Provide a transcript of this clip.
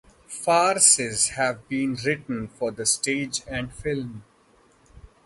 Farces have been written for the stage and film.